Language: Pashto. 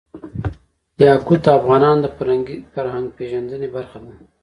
یاقوت د افغانانو د فرهنګي پیژندنې برخه ده.